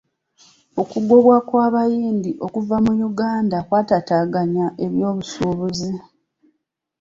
Okugobwa kw'abayindi okuva mu Uganda kyataataaganya eby'obusuubuzi.